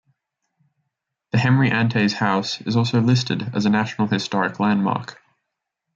The Henry Antes House is also listed as a National Historic Landmark.